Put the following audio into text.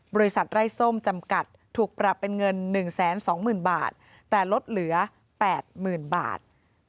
บริษัทไร้ส้มจำกัดถูกปรับเป็นเงิน๑๒๐๐๐บาทแต่ลดเหลือ๘๐๐๐บาท